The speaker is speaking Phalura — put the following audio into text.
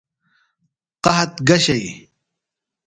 قحط گہ شئی ؟